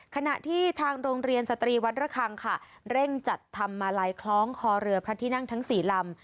ขณะที่ทางโรงเรียนสตรีวัดระคังค่ะเร่งจัดทำมาลัยคล้องคอเรือพระที่นั่งทั้ง๔ลำ